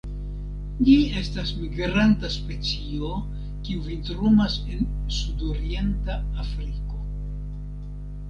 Ĝi estas migranta specio, kiu vintrumas en sudorienta Afriko.